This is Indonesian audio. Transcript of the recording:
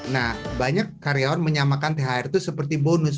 nah banyak karyawan menyamakan thr itu seperti bonus